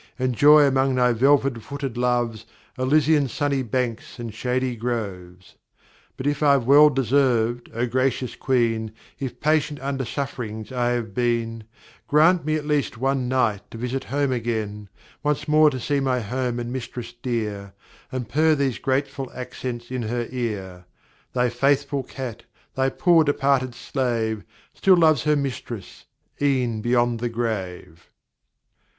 Enjoy among thy velvet footed loves, Elysian's sunny banks and shady groves.' 'But if I've well deserv'd (O gracious queen), If patient under sufferings I have been, Grant me at least one night to visit home again, Once more to see my home and mistress dear, And purr these grateful accents in her ear: "Thy faithful cat, thy poor departed slave, Still loves her mistress, e'en beyond the grave."'"